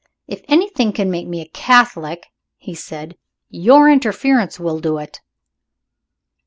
"If anything can make me a Catholic," he said, "your interference will do it."